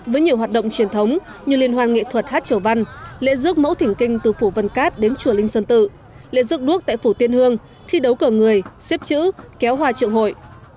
với nhiều hoạt động truyền thống như liên hoan nghệ thuật hát chầu văn lễ rước mẫu thỉnh kinh từ phủ văn cát đến chùa linh sơn tự lễ rước đuốc tại phủ tiên hương thi đấu cờ người xếp chữ kéo hoa trượng hội